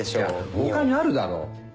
他にあるだろ。